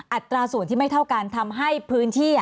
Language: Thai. อัตราส่วนที่ไม่เท่ากันทำให้พื้นที่